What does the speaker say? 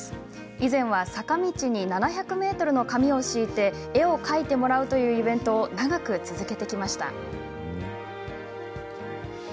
以前は坂道に７００ｍの紙を敷いて絵を描いてもらうというイベントを長く続けてきました。